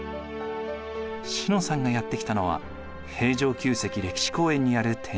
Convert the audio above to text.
詩乃さんがやって来たのは平城宮跡歴史公園にある展示施設。